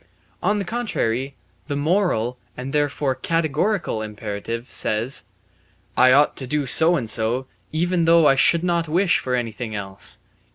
On the contrary, the moral, and therefore categorical, imperative says: "I ought to do so and so, even though I should not wish for anything else."